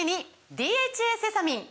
「ＤＨＡセサミン」！